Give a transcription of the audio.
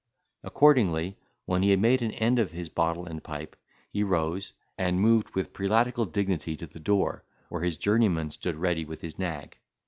Accordingly when he had made an end of his bottle and pipe, he rose, and moved with prelatical dignity to the door, where his journeyman stood ready with his nag.